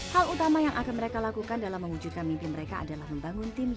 hal utama yang akan mereka lakukan dalam mewujudkan mimpi mereka adalah membangun tim